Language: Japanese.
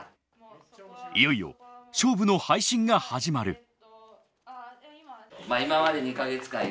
いよいよ勝負の配信が始まる。